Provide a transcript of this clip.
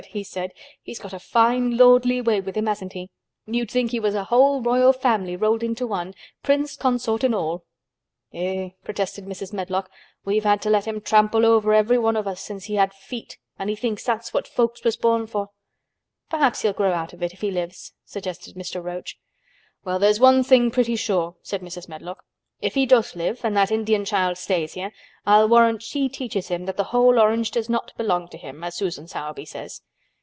he said, "he's got a fine lordly way with him, hasn't he? You'd think he was a whole Royal Family rolled into one—Prince Consort and all." "Eh!" protested Mrs. Medlock, "we've had to let him trample all over everyone of us ever since he had feet and he thinks that's what folks was born for." "Perhaps he'll grow out of it, if he lives," suggested Mr. Roach. "Well, there's one thing pretty sure," said Mrs. Medlock. "If he does live and that Indian child stays here I'll warrant she teaches him that the whole orange does not belong to him, as Susan Sowerby says.